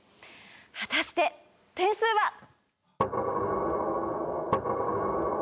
果たして点数は。